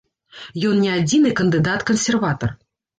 Ён не адзіны кандыдат-кансерватар.